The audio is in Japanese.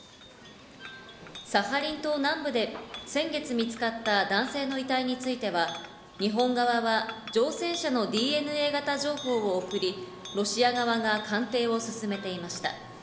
サハリン島南部で先月見つかった男性の遺体については、日本側は乗船者のＤＮＡ型情報を送り、ロシア側が鑑定を進めていました。